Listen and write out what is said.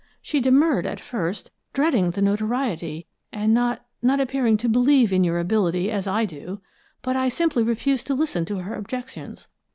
She demurred at first, dreading the notoriety, and not not appearing to believe in your ability as I do, but I simply refused to listen to her objections.